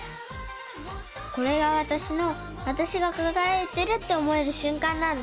これがわたしのわたしがかがやいてるって思えるしゅんかんなんだ！